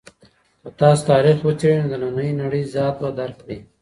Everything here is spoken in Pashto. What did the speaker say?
که تاسو تاریخ وڅېړئ نو د نننۍ نړۍ ذات به درک کړئ.